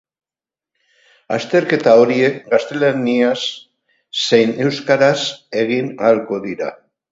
Azterketa horiek gaztelaniaz zein euskaraz egin ahalko dira.